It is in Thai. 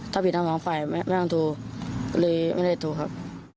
ถ้าผิดทั้งสองฝ่ายไม่ต้องโทรก็เลยไม่ได้โทรครับ